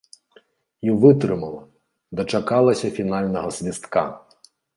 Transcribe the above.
І вытрымала, дачакалася фінальнага свістка!